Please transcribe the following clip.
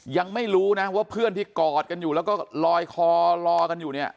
ยังไม่รู้นะว่าเพื่อนที่กอดกันอยู่แล้วก็ลอยคอรอกันอยู่เนี่ย